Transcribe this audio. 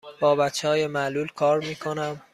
با بچه های معلول کار می کنم.